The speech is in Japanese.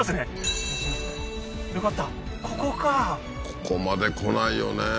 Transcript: ここまで来ないよね